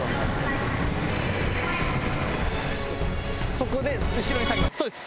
そこで後ろに下げます。